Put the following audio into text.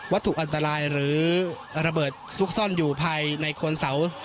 ถูกอันตรายหรือระเบิดซุกซ่อนอยู่ภายในโคนเสา